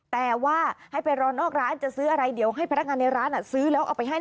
แต่ว่าให้ไปรอนอกร้านจะซื้ออะไรเดี๋ยวให้พนักงานในร้านซื้อแล้วเอาไปให้